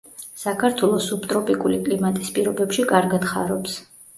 საქართველოს სუბტროპიკული კლიმატის პირობებში კარგად ხარობს.